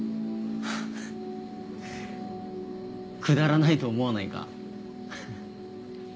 くだらないと思わないか？